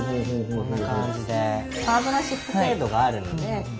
こんな感じで。